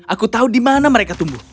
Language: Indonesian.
aku tahu di mana mereka tumbuh